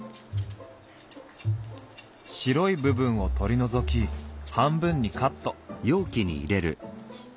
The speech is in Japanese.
白い部分を取り除き半分にカット。